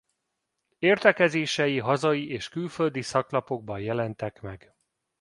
Értekezései hazai és külföldi szaklapokban jelentek meg.